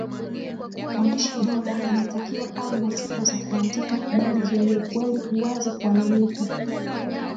mwandishi bora anatakiwa awe na sifa za kuandika habari zenye ukweli uwazi kuaminika